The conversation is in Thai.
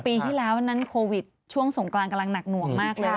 ปีที่แล้วนั้นโควิดช่วงสงกรานกำลังหนักหน่วงมากเลย